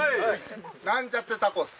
なんちゃってタコス。